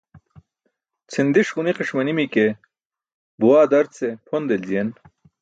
Cʰindiṣ ġunikiṣ manimi ke buwaa darcee pʰon deljiyen.